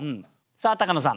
さあ高野さん